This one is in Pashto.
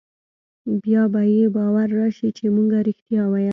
بيا به يې باور رايشي چې مونګه رښتيا ويل.